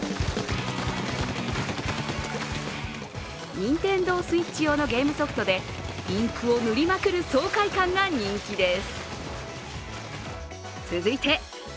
ＮｉｎｔｅｎｄｏＳｗｉｔｃｈ用のゲームソフトで、インクを塗りまくる爽快感が人気です。